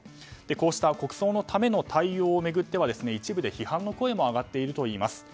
こうした国葬のための対応を巡っては一部で批判の声も上がっているといいます。